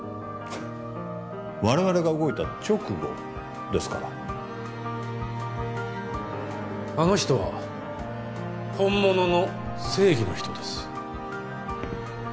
我々が動いた直後ですからあの人は本物の正義の人です